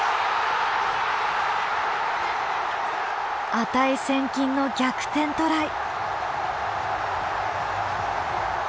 値千金の逆転トライ！